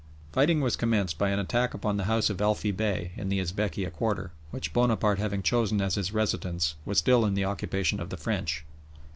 Fighting was commenced by an attack upon the house of Elfi Bey, in the Esbekieh quarter, which Bonaparte having chosen as his residence was still in the occupation of the French.